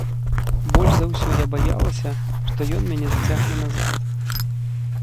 Больш за ўсё я баялася, што ён мяне зацягне назад.